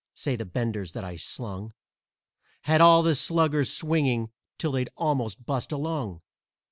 Say, the benders that I slung Had all the sluggers swinging till they'd almost bust a lung.